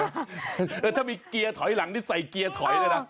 ถ้ามีเกียร์ถอยหลังนี่ใส่เกียร์ถอยเลยนะ